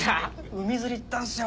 海釣り行ったんすよ。